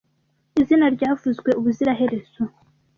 izina ryavuzwe ubuziraherezo